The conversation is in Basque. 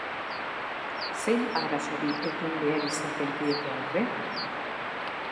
Zein arazori egin behar izaten diete aurre?